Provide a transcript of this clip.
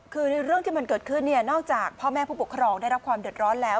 คือในเรื่องที่มันเกิดขึ้นเนี่ยนอกจากพ่อแม่ผู้ปกครองได้รับความเดือดร้อนแล้ว